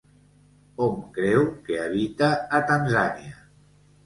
Hom creu que habita a Tanzània.